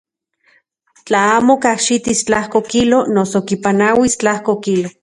Tla amo kajxitis tlajko kilo noso kipanauis tlajko kilo.